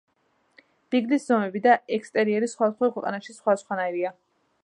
ბიგლის ზომები და ექსტერიერი სხვადასხვა ქვეყანაში სხვადასხვანაირია.